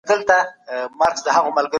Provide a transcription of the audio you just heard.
اسلام د بشریت د ژغورنې لار ده.